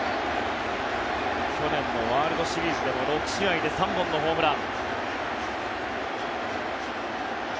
去年のワールドシリーズでも６試合で３本のホームラン。